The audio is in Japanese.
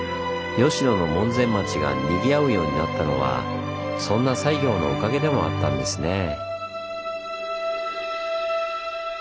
吉野の門前町がにぎわうようになったのはそんな西行のおかげでもあったんですねぇ。